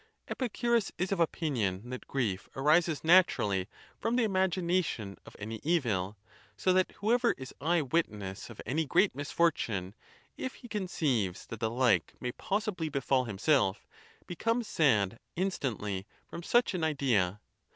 Epicurus is of opinion that grief arises naturally from the imagina tion of any evil; so that whosoever is eye witness of any great misfortune, if he conceives that the like may pos sibly befall himself, becomes sad instantly from such an idea.